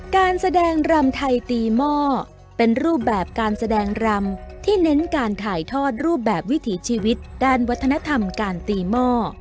การแสดงรำไทยตีหม้อเป็นรูปแบบการแสดงรำที่เน้นการถ่ายทอดรูปแบบวิถีชีวิตด้านวัฒนธรรมการตีหม้อ